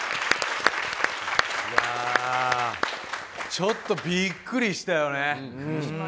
ちょっとびっくりしたよね。